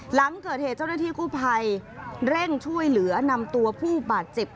หลังเกิดเหตุเจ้าหน้าที่กู้ภัยเร่งช่วยเหลือนำตัวผู้บาดเจ็บ